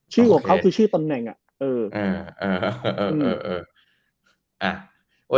ชื่อของเขาคือชื่อตำแหน่งอ่ะ